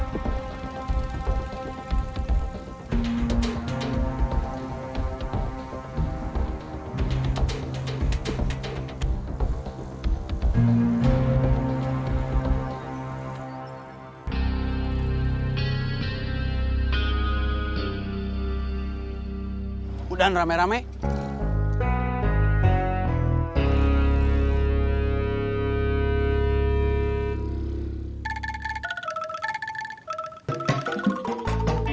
tapi k ayru musuh